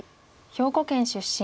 兵庫県出身。